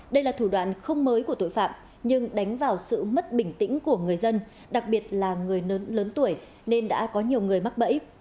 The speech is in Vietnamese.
đây là thủ đoạn không mới của tội phạm nhưng đánh vào sự mất bình tĩnh của người dân đặc biệt là người lớn tuổi nên đã có nhiều người mắc bẫy